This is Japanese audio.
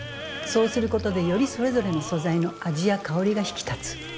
そうすることでよりそれぞれの素材の味や香りが引き立つ。